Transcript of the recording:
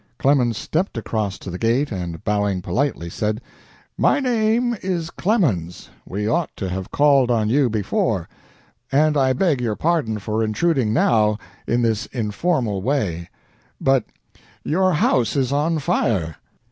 Clemens stepped across to the gate and, bowing politely, said: "My name is Clemens; we ought to have called on you before, and I beg your pardon for intruding now in this informal way, but your house is on fire."